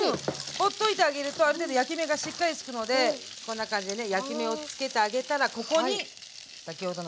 ほっといてあげるとある程度焼き目がしっかりつくのでこんな感じでね焼き目をつけてあげたらここに先ほどのピーマン。